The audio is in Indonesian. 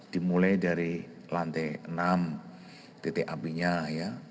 dimulai dari lantai enam titik apinya ya